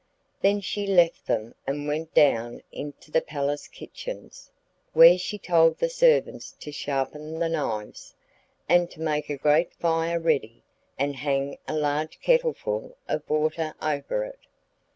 Then she left them and went down into the palace kitchens, where she told the servants to sharpen the knives, and to make a great fire ready, and hang a large kettleful of water over it.